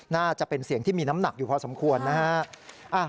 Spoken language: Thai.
น่าจะเป็นเสียงที่มีน้ำหนักอยู่พอสมควรนะฮะ